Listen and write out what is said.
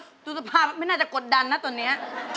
ดูสภาพไม่น่าจะกดดันนะตอนนี้